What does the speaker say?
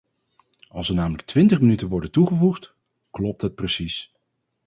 Als er namelijk twintig minuten worden toegevoegd, klopt het precies.